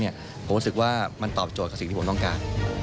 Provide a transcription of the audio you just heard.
ผมรู้สึกว่ามันตอบโจทย์กับสิ่งที่ผมต้องการ